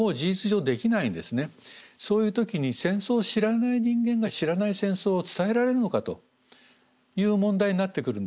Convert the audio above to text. そういう時に戦争を知らない人間が知らない戦争を伝えられるのかという問題になってくるんです。